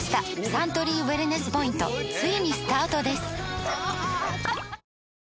サントリーウエルネスポイントついにスタートです！